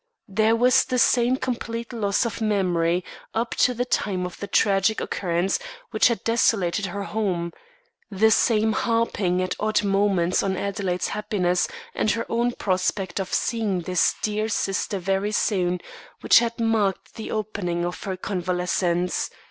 There was the same complete loss of memory up to the time of the tragic occurrence which had desolated her home; the same harping at odd moments on Adelaide's happiness and her own prospect of seeing this dear sister very soon which had marked the opening days of her convalescence.